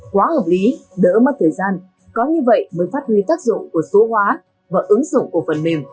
quá hợp lý đỡ mất thời gian có như vậy mới phát huy tác dụng của số hóa và ứng dụng của phần mềm